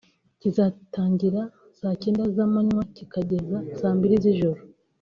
cyizatangira saa cyenda z’amanwa kikageza saa mbiri z’ijoro